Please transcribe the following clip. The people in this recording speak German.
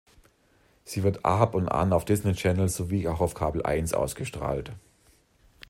Sie wird ab und an auf Disney Channel sowie auch auf Kabel Eins ausgestrahlt.